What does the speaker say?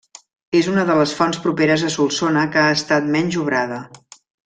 És una de les fonts properes a Solsona que ha estat menys obrada.